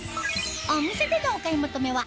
お店でのお買い求めは